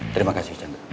terima kasih chandra